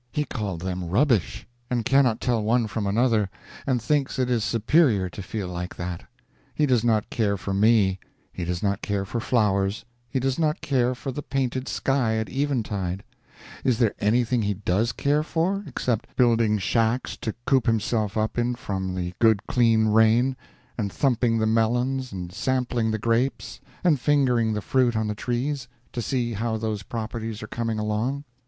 He called them rubbish, and cannot tell one from another, and thinks it is superior to feel like that. He does not care for me, he does not care for flowers, he does not care for the painted sky at eventide is there anything he does care for, except building shacks to coop himself up in from the good clean rain, and thumping the melons, and sampling the grapes, and fingering the fruit on the trees, to see how those properties are coming along?